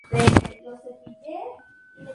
Rosario Central de Argentina.